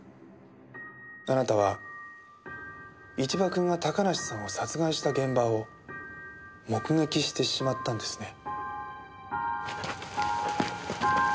あなたは一場君が高梨さんを殺害した現場を目撃してしまったんですね。